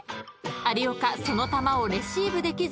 ［有岡その球をレシーブできず］